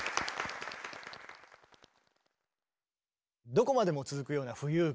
どこまでも続くような浮遊感。